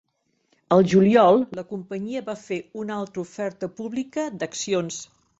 Al juliol, la companyia va fer una altra oferta pública d'accions.